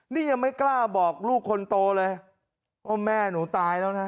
นี่ยังไม่กล้าบอกลูกคนโตเลยว่าแม่หนูตายแล้วนะ